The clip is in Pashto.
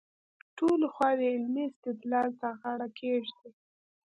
ټولې خواوې علمي استدلال ته غاړه کېږدي.